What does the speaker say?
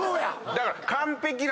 だから。